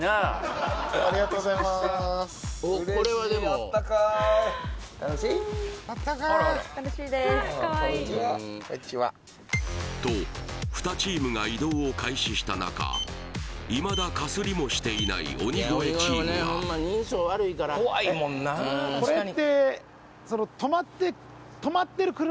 ありがとうございますと２チームが移動を開始した中いまだかすりもしていない鬼越チームがえっ？